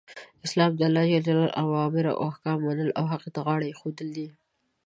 اسلام د الله ج اوامرو او احکامو منل او هغو ته غاړه ایښودل دی .